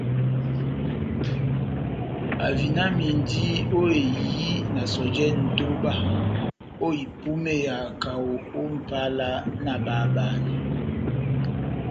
Ahavinamandi ó ehiyi na sɔjɛ nʼtoba ó ipúmeya kaho ó Mʼpala na bahabanɛ.